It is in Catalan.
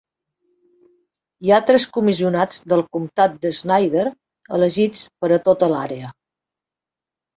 Hi ha tres comissionats del comtat de Snyder elegits per a tota l'àrea.